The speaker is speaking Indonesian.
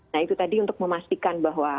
nah itu tadi untuk memastikan bahwa